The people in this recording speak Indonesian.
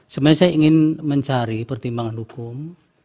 sebenarnya saya ingin mencari pertimbangan hukum